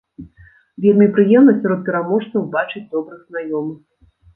Вельмі прыемна сярод пераможцаў бачыць добрых знаёмых.